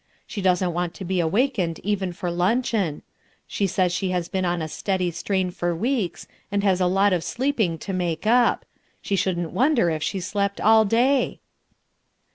She doesn't want to be awak ened even for luncheon; she says she has been on a steady strain for weeks, and has a lot of sleeping to make up; she shouldn't wonder if she slept all day."